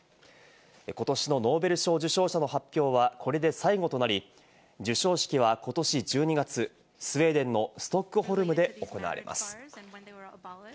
ことしのノーベル賞受賞者の発表はこれで最後となり、授賞式はことし１２月、スウェーデンのストックホルムで行われます。